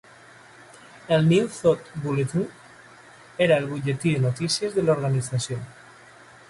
El "New Thought Bulletin" era el butlletí de notícies de l'organització.